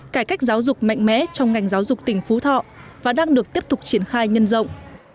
cải cách giáo dục mạnh mẽ trong ngành giáo dục tỉnh phú thọ và đang được tiếp tục triển khai nhân rộng